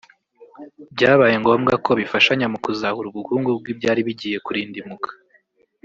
byabaye ngombwa ko bifashanya mu kuzahura ubukungu bw’ibyari bigiye kurindimuka